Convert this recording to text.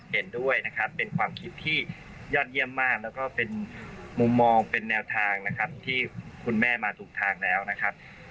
เห็นด้วยนะครับเป็นความคิดที่ยอดเยี่ยมมากแล้วก็เป็นมุมมองเป็นแนวทางนะครับที่คุณแม่มาถูกทางแล้วนะครับ